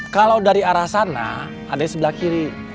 kalau dari arah sana ada yang sebelah kiri